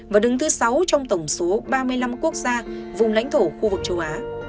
và đứng thứ sáu trong tổng số ba mươi năm quốc gia vùng lãnh thổ khu vực châu á